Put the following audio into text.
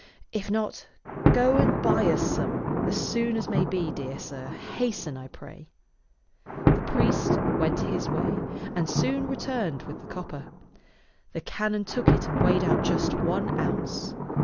" If not, go and buy us some as soon as may be, dear sir ; hasten, I pray." The priest went his way, and soon returned with ^^e Canon's VtomaWs 'tait 213 the copper. The canon took it and weighed out just one ounce.